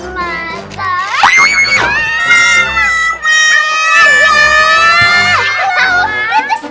papa ini udah kacau kacau